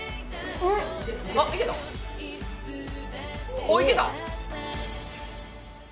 ・おっいけた！